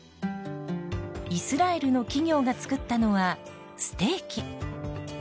イスラエルの企業が作ったのはステーキ。